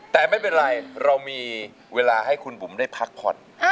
แต่ไม่เป็นไรเรามีเวลาให้คุณบุ๋มได้พักผ่อน